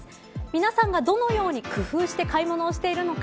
皆さんがどのように工夫して買い物をしているのか。